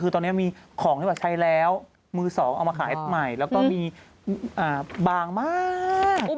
คือตอนนี้มีของที่แบบใช้แล้วมือสองเอามาขายใหม่แล้วก็มีบางมาก